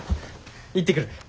行ってくる。